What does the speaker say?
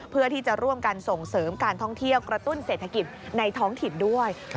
เพื่อที่จะร่วมกันส่งเสริมการท่องเที่ยวกระตุ้นเศรษฐกิจในท้องถิ่นด้วย